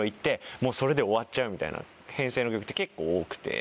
それで終わっちゃうみたいな編成の曲って結構多くて。